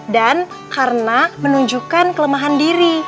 dan karena menunjukkan kelemahan diri